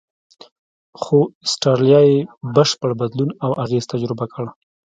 خو استرالیا یې بشپړ بدلون او اغېز تجربه کړ.